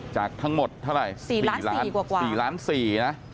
จากทั้งหมดเท่าไหร่๔ล้าน๔ล้าน๔นะ